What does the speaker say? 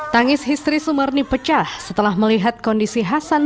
tangis istri sumarni pecah setelah melihat kondisi hasan